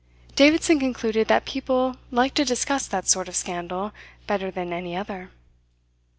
Davidson concluded that people liked to discuss that sort of scandal better than any other.